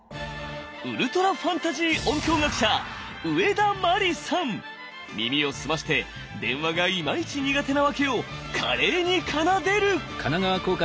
ウルトラファンタジー音響学者耳を澄まして電話がイマイチ苦手なワケを華麗に奏でる！